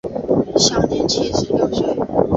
享年七十六岁。